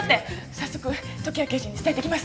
早速時矢刑事に伝えてきます！